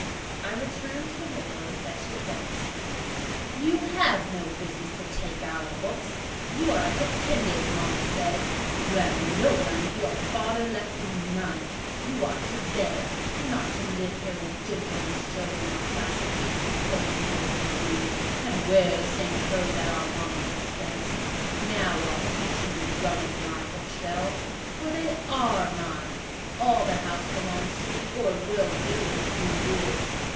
I returned to the window and fetched it thence. "You have no business to take our books; you are a dependent, mama says; you have no money; your father left you none; you ought to beg, and not to live here with gentlemen's children like us, and eat the same meals we do, and wear clothes at our mama's expense. Now, I'll teach you to rummage my bookshelves: for they are mine; all the house belongs to me, or will do in a few years.